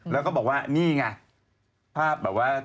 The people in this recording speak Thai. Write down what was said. แล้วก็บอกว่านี่ไงภาพแบบว่า